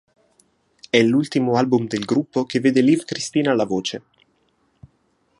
È l'ultimo album del gruppo che vede Liv Kristine alla voce.